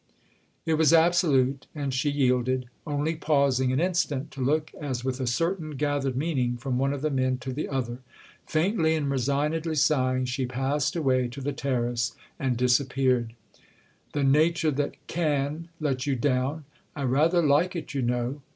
It was absolute and she yielded; only pausing an instant to look as with a certain gathered meaning from one of the men to the other. Faintly and resignedly sighing she passed away to the terrace and disappeared. "The nature that can let you down—I rather like it, you know!"